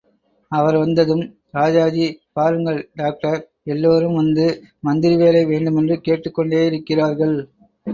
அவர் வந்ததும் ராஜாஜி பாருங்கள் டாக்டர், எல்லோரும் வந்து மந்திரி வேலை வேண்டுமென்று கேட்டுக் கொண்டேயிருக்கிறார்கள்.